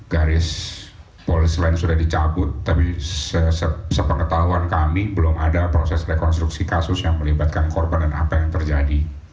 garis polisi lain sudah dicabut tapi sepengetahuan kami belum ada proses rekonstruksi kasus yang melibatkan korban dan apa yang terjadi